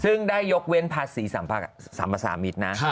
ซึ่งได้ยกเว้นภาษี๓ประ๓มิตรนะ